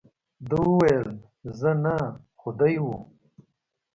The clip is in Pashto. ده وویل، زه نه، خو دی وو.